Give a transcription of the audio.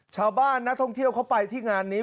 ชาวบ้านนักท่องเที่ยวเขาไปที่งานนี้